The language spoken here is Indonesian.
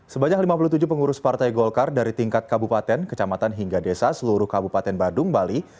sebanyak lima puluh tujuh pengurus partai golkar dari tingkat kabupaten kecamatan hingga desa seluruh kabupaten badung bali